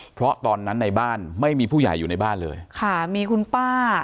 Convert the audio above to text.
เพราะตอนนั้นในบ้านไม่มีผู้ใหญ่อยู่ในบ้านเลยค่ะมีคุณป้า